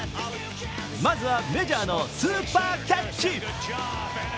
まずはメジャーのスーパーキャッチ。